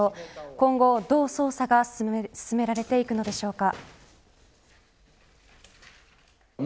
今後、どう捜査が進められていくのでしょうか。